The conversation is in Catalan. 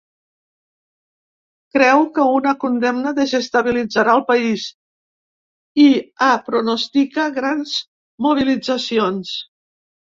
Creu que una condemna desestabilitzarà el país i ha pronostica grans mobilitzacions.